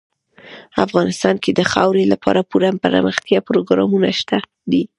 افغانستان کې د خاورې لپاره پوره دپرمختیا پروګرامونه شته دي.